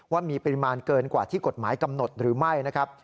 ว่ามีปริมาณเกินกว่าที่กฎหมายกำหนดหรือไม่นะครับ